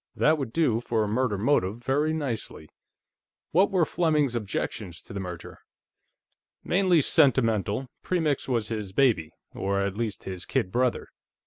"That would do for a murder motive, very nicely.... What were Fleming's objections to the merger?" "Mainly sentimental. Premix was his baby, or, at least, his kid brother.